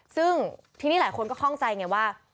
ซึ่งทีนี้หลายคนก็คล่องใจไงว่า